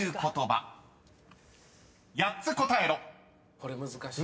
これ難しい。